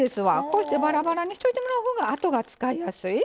こうしてバラバラにしといてもらうほうがあとが使いやすい。